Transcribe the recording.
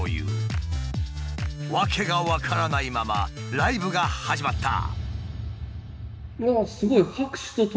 訳が分からないままライブが始まった。